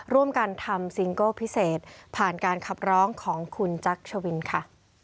ร่วมกันทำซิงเกิลพิเศษผ่านการขับร้องของคุณจักรชวินค่ะ